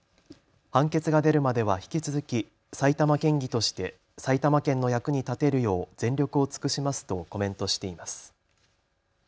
判決が出るまでは引き続き埼玉県議として埼玉県の役に立てるよう全力を尽くしますとコメントしています。